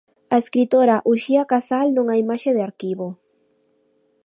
A escritora Uxía Casal nunha imaxe de arquivo.